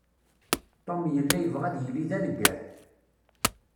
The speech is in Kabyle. Tom yella yebɣa ad yili d aneggar.